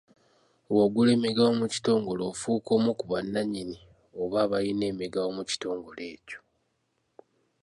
Bw'ogula emigabo mu kitongole, ofuuka omu ku bannannyini oba abalina emigabo mu kitongole ekyo.